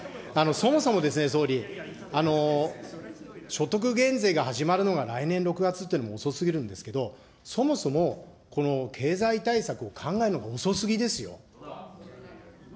そもそもですね、総理、所得減税が始まるのが来年６月っていうのも遅すぎるんですけど、そもそもこの経済対策を考えるのが遅すぎですよ。